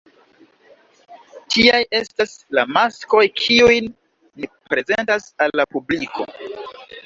Tiaj estas la maskoj kiujn ni prezentas al la publiko.